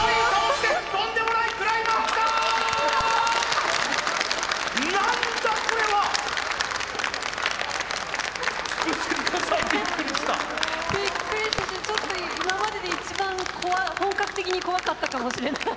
びっくりしてちょっと今までで一番本格的に怖かったかもしれない。